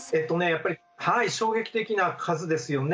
やっぱりかなり衝撃的な数ですよね。